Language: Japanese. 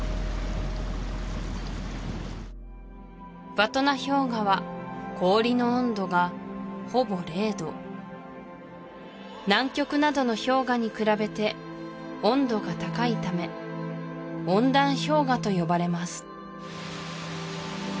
ヴァトナ氷河は氷の温度がほぼ０℃南極などの氷河に比べて温度が高いため温暖氷河と呼ばれます